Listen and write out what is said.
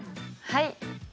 はい。